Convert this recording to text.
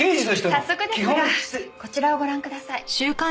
早速ですがこちらをご覧ください。